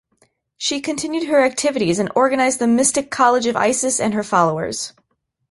She continued her activities and organized The Mystic College of Isis and Her Followers.